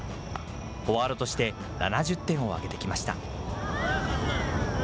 フォワードとして７０点を挙げてきました。